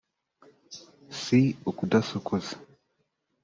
si ukudasokoza